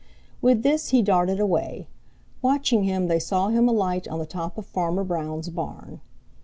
With this he darted away. Watching him they saw him alight on the top of Farmer Brown's barn.